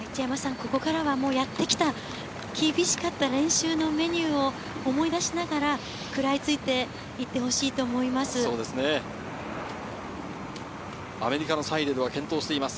ここからはやってきた厳しかった練習のメニューを思い出しながら、食らいついていってほしいと思います。